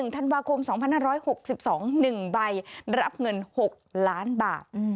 ธันวาคม๒๕๖๒๑ใบรับเงิน๖ล้านบาท